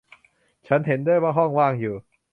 ฉันเห็นด้วยว่าห้องว่างอยู่